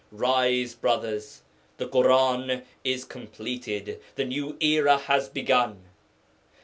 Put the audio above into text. Rise, brothers! The Quran is completed, the new era has begun.